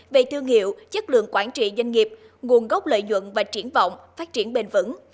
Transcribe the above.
về thương hiệu chất lượng quản trị doanh nghiệp nguồn gốc lợi nhuận và triển vọng phát triển bền vững